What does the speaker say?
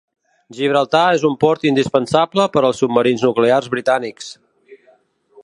Gibraltar és un port indispensable per als submarins nuclears britànics.